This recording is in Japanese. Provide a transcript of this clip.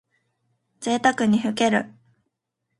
ぜいたくにふける。